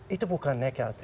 itu bukan nekat